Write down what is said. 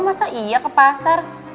masa iya ke pasar